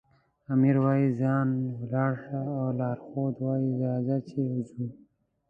آمر وایي ځه ولاړ شه او لارښود وایي راځئ چې ځو.